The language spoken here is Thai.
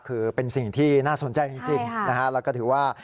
คือเป็นสิ่งที่น่าสนใจจริงนะฮะแล้วก็ถือว่า